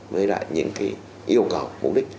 với lại những cái yêu cầu mục đích